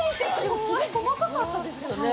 今霧細かかったですよね？